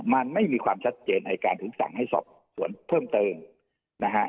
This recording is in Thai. มันไม่มีความชัดเจนในการถึงสั่งให้สอบสวนเพิ่มเติมนะฮะ